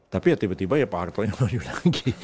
tapi ya tiba tiba ya pak harto yang lanjut lagi